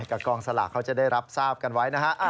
กองสลากเขาจะได้รับทราบกันไว้นะฮะ